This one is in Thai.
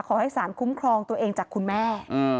ขอให้สารคุ้มครองตัวเองจากคุณแม่